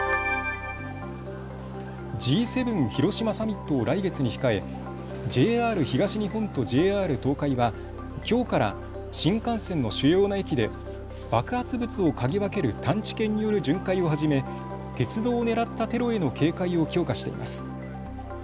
Ｇ７広島サミットを来月に控えＪＲ東日本とＪＲ東海はきょうから新幹線の主要な駅で爆発物を嗅ぎ分ける探知犬による巡回を始め鉄道を狙ったテロへの警戒を強化しています。